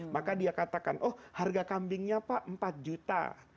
maka dia katakan oh harga kambingnya pak empat juta